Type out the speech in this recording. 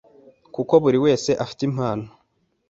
kuko buri wese afite impano